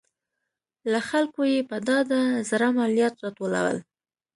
له خلکو یې په ډاډه زړه مالیات راټولول.